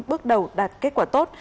bước đầu đạt kết quả tốt